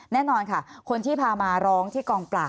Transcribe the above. แน่นอนค่ะคนที่พามาร้องที่กองปราบ